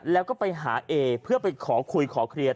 แล้วก็ไปหาเอเพื่อไปขอคุยขอเคลียร์